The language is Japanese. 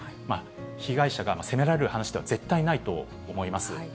被害者が責められる話では絶対ないと思います。